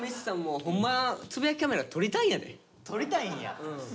撮りたいんや。